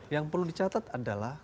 yang perlu dicatat adalah